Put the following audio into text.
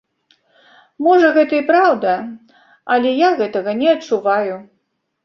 Можа, гэта і праўда, але я гэтага не адчуваю.